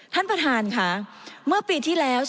ท่านประธานค่ะเมื่อปีที่แล้ว